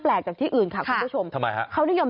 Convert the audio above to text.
แปลกจากที่อื่นค่ะคุณผู้ชม